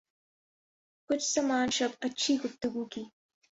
کچھ سامان شب اچھی گفتگو کی